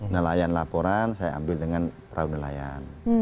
nelayan laporan saya ambil dengan perahu nelayan